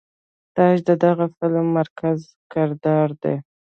تاج د دغه فلم مرکزي کردار دے.